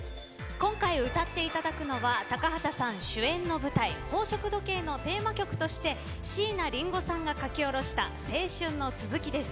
今回歌っていただくのは高畑さん主演の舞台「宝飾時計」のテーマ曲として椎名林檎さんが書き下ろした「青春の続き」です。